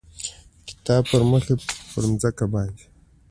کتاب پړمخې پر مځکه باندې،